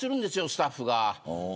スタッフが。